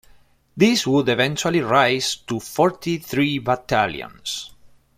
This would eventually rise to forty-three battalions.